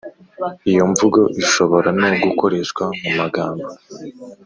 lyo mvugo ishobora no gukoreshwa mu 'magambo